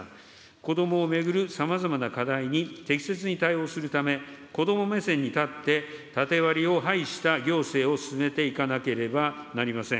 子どもを巡るさまざまな課題に適切に対応するため、子ども目線に立って縦割りを廃した行政を進めていかなければなりません。